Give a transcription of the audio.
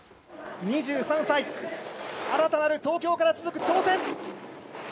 ２３歳新たなる東京から続く挑戦。